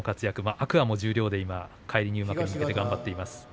天空海も十両で返り入幕に向けて頑張っています。